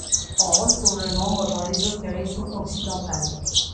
On retrouve le nombre dans l'ésotérisme occidental.